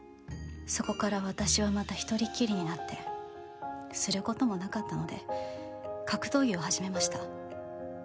そこから私はまた一人きりになってすることもなかったので格闘技を始めました